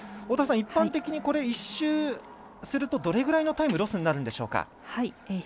太田さん、一般的に１周するとどれぐらいのタイムロスになるんでしょうか。